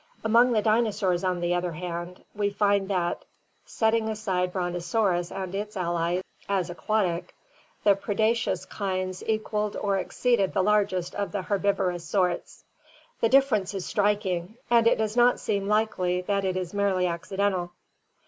Among the dinosaurs, on the other hand, we find that — setting aside Brontosaurus and its allies as aquatic — the predaceous kinds equalled or exceeded the largest of the 512 ORGANIC EVOLUTION herbivorous sorts. The difference is striking, and it does not seem likely that it is merely accidental.